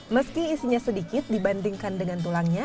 meski isinya sedikit dibandingkan dengan tulangnya